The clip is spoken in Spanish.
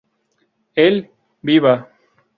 El "Viva!